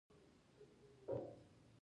پلار د رڼا مشعل دی.